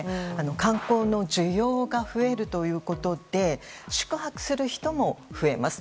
観光の需要が増えるということで宿泊する人も増えます。